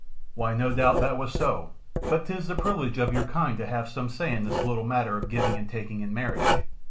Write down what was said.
"Why, no doubt that was so, but 'tis the privilege of your kind to have some say in this little matter of giving and taking in marriage.